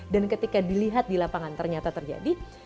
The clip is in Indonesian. dan ketika dilihat di lapangan ternyata terjadi